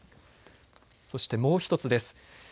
そしてもう１つです。